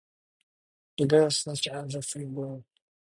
The girl stiffened as if from a blow.